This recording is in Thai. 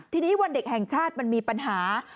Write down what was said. ทีนี้วันเด็กแห่งชาติมันมีปัญหา